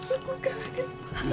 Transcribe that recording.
aku kangen banget